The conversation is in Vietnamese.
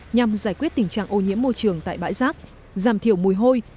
nhằm giải quyết tình trạng ô nhiễm môi trường tại bãi rác giảm thiểu mùi hôi